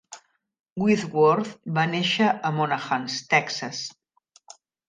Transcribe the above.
Whitworth va néixer a Monahans, Texas.